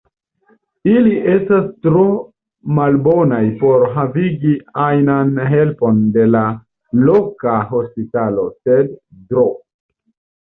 Ili estas tro malbonaj por havigi ajnan helpon de la loka hospitalo, sed Dro.